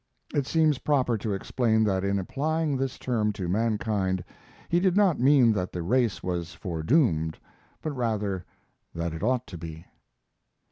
(It seems proper to explain that in applying this term to mankind he did not mean that the race was foredoomed, but rather that it ought to be.)